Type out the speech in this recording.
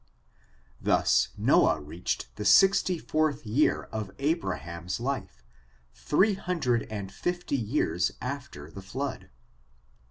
Thus Noah reached the sixty fourth year of Abraham's life, three hundred and fifty years after the flood.